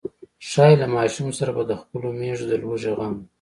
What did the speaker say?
ښايي له ماشوم سره به د خپلو مېږو د لوږې غم و.